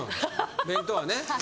弁当はね。